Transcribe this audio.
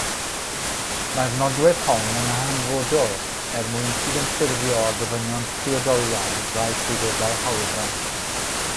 Mae'r nodwedd hon yn hanfodol er mwyn cydymffurfio â gofynion priodoliad rhai trwyddedau hawlfraint.